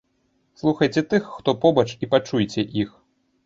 Слухайце тых, хто побач і пачуйце іх!